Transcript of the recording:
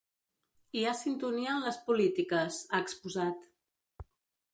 “Hi ha sintonia en les polítiques”, ha exposat.